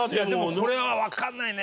これはわかんないね。